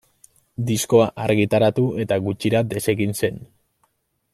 Diskoa argitaratu eta gutxira desegin zen.